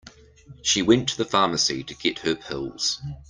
She went to the pharmacy to get her pills.